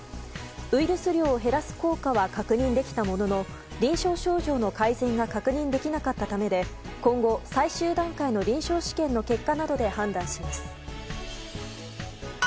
ウイルス量を減らす効果は確認できたものの臨床症状の改善が確認できなかったためで今後、最終段階の臨床試験の結果などで判断します。